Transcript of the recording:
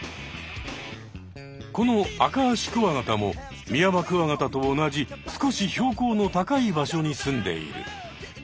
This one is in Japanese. このアカアシクワガタもミヤマクワガタと同じ少し標高の高い場所にすんでいる。